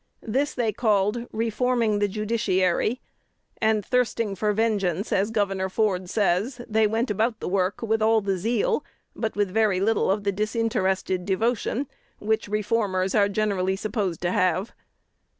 This they called "reforming the judiciary;" and "thirsting for vengeance," as Gov. Ford says, they went about the work with all the zeal, but with very little of the disinterested devotion, which reformers are generally supposed to have.